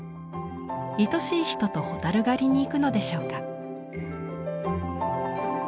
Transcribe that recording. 愛しい人と蛍狩りに行くのでしょうか。